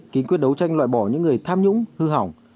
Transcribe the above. kiên quyết đấu tranh loại bỏ những người tham nhũng hư hỏng